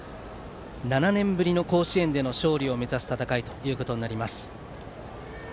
７年ぶりの甲子園での勝利を目指す戦いとなります。